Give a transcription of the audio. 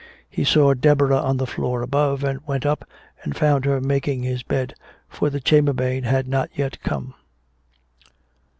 He heard Deborah on the floor above, and went up and found her making his bed, for the chambermaid had not yet come.